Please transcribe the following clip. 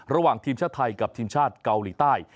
ระหว่างทีมชาติไทยกับทีมชาติเกาหลีใต้